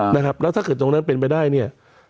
นะครับแล้วถ้าเกิดตรงนั้นเป็นไปได้เนี่ย